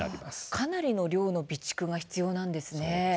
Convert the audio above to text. かなりの量の備蓄が必要なんですね。